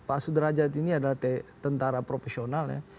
pak sudrajat ini adalah tentara profesional ya